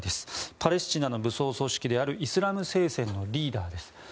パレスチナの武装組織であるイスラム聖戦のリーダーです。